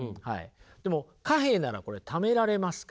でも貨幣ならこれためられますから。